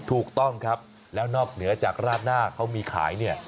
ถูกต้องครับแล้วนอกเหนือจากราดหน้าเขามีขายเนี่ย